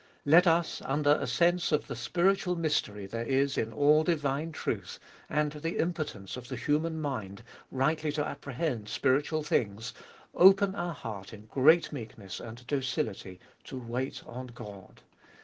Let us, under a sense of the spiritual mystery there is in all divine truth, and the impotence of the human mind rightly to apprehend spiritual things, open our heart in great meekness and docility to wait on God.